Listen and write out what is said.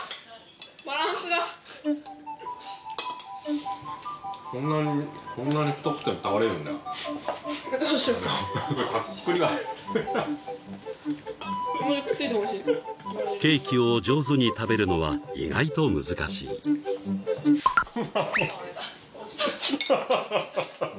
バランスがこんなにこんなに太くても倒れるんだどうしよう上にくっついてほしいケーキを上手に食べるのは意外と難しいハハハハハ